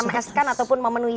untuk mem ms kan ataupun memenuhi